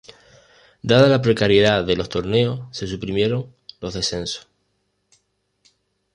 Dada la precariedad de los torneos se suprimieron los descensos.